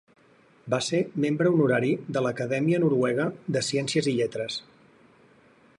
Va ser membre honorari de l'Acadèmia Noruega de Ciències i Lletres.